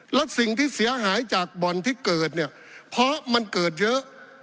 แล้วสิ่งที่เสียหายจากบ่อนที่เกิดเนี่ยเพราะมันเกิดเยอะ